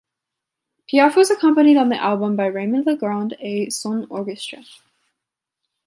Piaf was accompanied on the album by Raymond Legrand et son Orchestra.